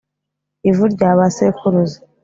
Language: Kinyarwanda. Ivu rya ba sekuruza